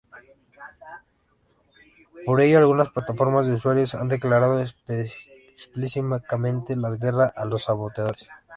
Por ello, algunas plataformas de usuarios han declarado explícitamente la guerra a los saboteadores.